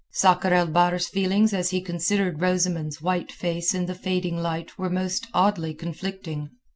Sakr el Bahr's feelings as he considered Rosamunds's white face in the fading light were most oddly conflicting.